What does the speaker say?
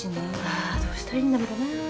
どうしたらいいんだべかな。